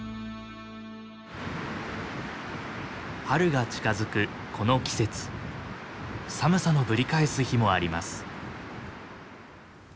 春が近づくこの季節寒さのぶり返す日もあります。